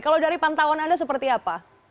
kalau dari pantauan anda seperti apa